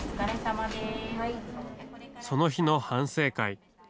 その日の反省会。